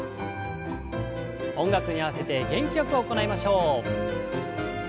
音楽に合わせて元気よく行いましょう。